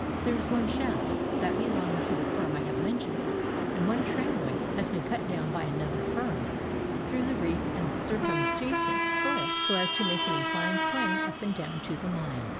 There is one shaft, — that belonging to the firm I have mentioned ; and one tramway has been cut down by an other firm through the reef and circumjacent soil so as to make an inclined plane up and down to the mine.